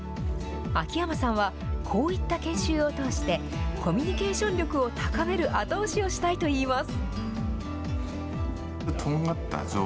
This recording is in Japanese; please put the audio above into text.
秋山さんはこういった研修を通して、コミュニケーション力を高める後押しをしたいといいます。